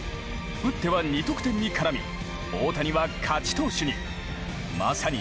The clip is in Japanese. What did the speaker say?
打っては２得点に絡み大谷は勝ち投手に。